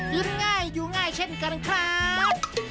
กินง่ายอยู่ง่ายเช่นกันครับ